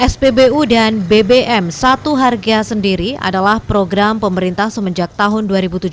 spbu dan bbm satu harga sendiri adalah program pemerintah semenjak tahun dua ribu tujuh belas